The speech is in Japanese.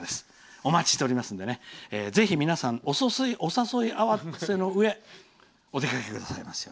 お待ちしておりますのでぜひ皆さん、お誘い合わせのうえお出かけくださいますよう。